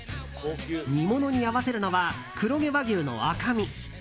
煮物に合わせるのは黒毛和牛の赤身。